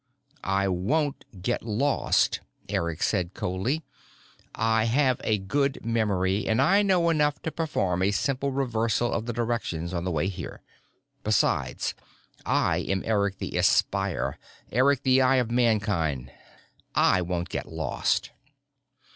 "I won't get lost," Eric said coldly. "I have a good memory, and I know enough to perform a simple reversal of the directions on the way here. Besides, I am Eric the Espier, Eric the Eye of Mankind. I won't get lost."